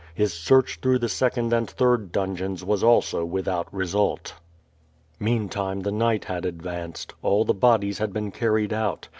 His search through the second and third dungeons was also without re sult. Meantime the night had advanced; all the bodies had been carried out.